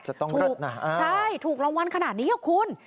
จะต้องเคล็ดนะอ้าวใช่ถูกรางวัลขนาดนี้หรอคุณ